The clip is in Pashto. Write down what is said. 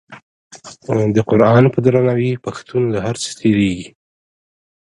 د قران په درناوي پښتون له هر څه تیریږي.